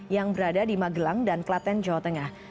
yang berada di magelang dan klaten jawa tengah